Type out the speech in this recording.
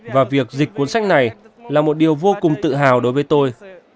và việc dịch cuốn sách này là một điều vô cùng tự hào đối với tôi